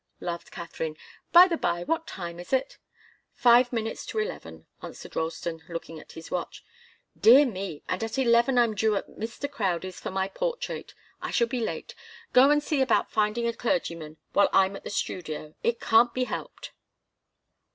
laughed Katharine. "By the bye what time is it?" "Five minutes to eleven," answered Ralston, looking at his watch. "Dear me! And at eleven I'm due at Mr. Crowdie's for my portrait. I shall be late. Go and see about finding a clergyman while I'm at the studio. It can't be helped."